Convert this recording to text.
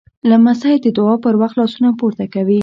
لمسی د دعا پر وخت لاسونه پورته کوي.